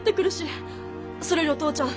それよりお父ちゃん